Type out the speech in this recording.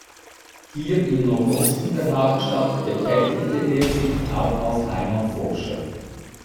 Hier im Nordosten der Hauptstadt betätigte er sich auch als Heimatforscher.